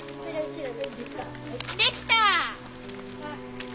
できた！